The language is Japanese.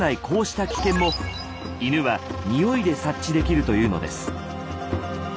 こうした危険も犬はニオイで察知できるというのです。